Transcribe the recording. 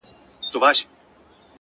گوره را گوره وه شپوږمۍ ته گوره ـ